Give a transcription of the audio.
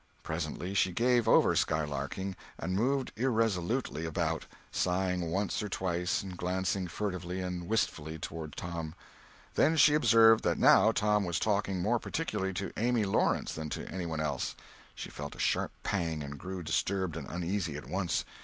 Presently she gave over skylarking, and moved irresolutely about, sighing once or twice and glancing furtively and wistfully toward Tom. Then she observed that now Tom was talking more particularly to Amy Lawrence than to any one else. She felt a sharp pang and grew disturbed and uneasy at once.